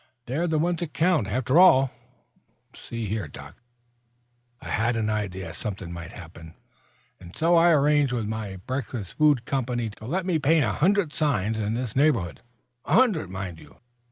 They're the ones that count, after all; not the town people. See here, Doc, I had an idea something might happen, and so I arranged with my breakfast food company to let me paint a hundred signs in this neighborhood. A hundred, mind you!